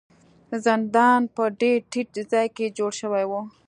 زندان په ډیر ټیټ ځای کې جوړ شوی و.